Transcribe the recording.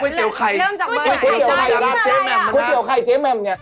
ก๋วยเตี๋ยวไข่แล้วเจ๊แม่มมันน่ะก๋วยเตี๋ยวไข่แล้วเจ๊แม่มเนี่ย